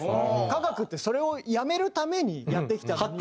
科学ってそれをやめるためにやってきたのに。